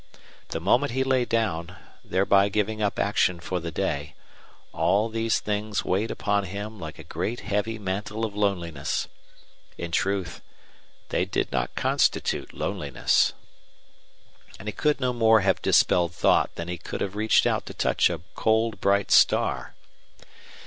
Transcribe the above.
The moment he lay down, thereby giving up action for the day, all these things weighed upon him like a great heavy mantle of loneliness. In truth, they did not constitute loneliness. And he could no more have dispelled thought than he could have reached out to touch a cold, bright star.